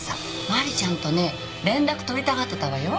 マリちゃんとね連絡取りたがってたわよ。